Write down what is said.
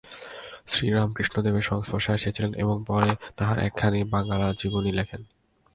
শ্রীরামকৃষ্ণদেবের সংস্পর্শে আসিয়াছিলেন, এবং পরে তাঁহার একখানি বাঙলা জীবনী লেখেন।